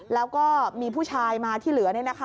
แล้วก็มีผู้ชายมาที่เหลือ